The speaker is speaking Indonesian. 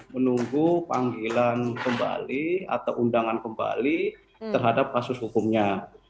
menunggu panggilan kembali atau undangan kembali terhadap kasus hukumnya